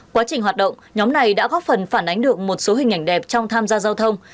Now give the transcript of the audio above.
quá trình hoạt động nhóm này đã góp phần phản ánh được một số hình ảnh đẹp trong tham gia giao thông